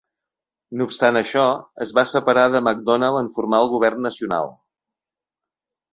No obstant això, es va separar de MacDonald en formar el govern nacional.